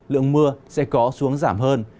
lượng mưa sẽ có xuống giảm hơn